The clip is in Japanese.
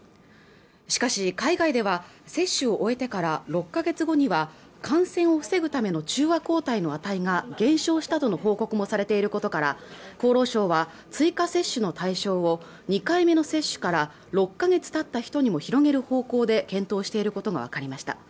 しかし海外では接種を終えてから６か月後には感染を防ぐための中和抗体の値が減少したとの報告もされていることから厚労省は追加接種の対象を２回目の接種から６か月たった人にも広げる方向で検討していることが分かりました